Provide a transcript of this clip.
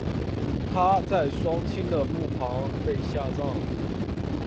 她在双亲的墓旁被下葬。